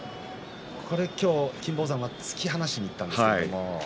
金峰山は突き放しにいったんですけれども。